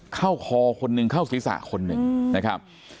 คอคนหนึ่งเข้าศีรษะคนหนึ่งนะครับ